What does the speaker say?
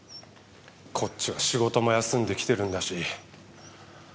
こっちは仕事も休んで来てるんだし。